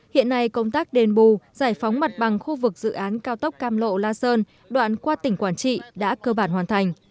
hiện nay công tác đền bù giải phóng mặt bằng khu vực dự án cao tốc cam lộ la sơn đoạn qua tỉnh quảng trị đã cơ bản hoàn thành